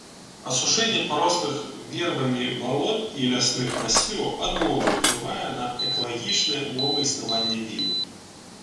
Асушэнне парослых вербамі балот і лясных масіваў адмоўна ўплывае на экалагічныя ўмовы існавання віду.